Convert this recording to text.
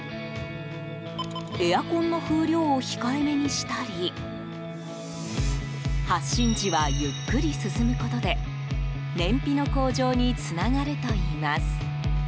エアコンの風量を控えめにしたり発進時はゆっくり進むことで燃費の向上につながるといいます。